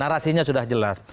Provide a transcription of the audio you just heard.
narasinya sudah jelas